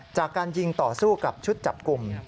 จากการยิงต่อสู้กับชุดจับกลุ่ม